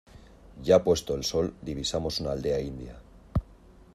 ya puesto el sol divisamos una aldea india.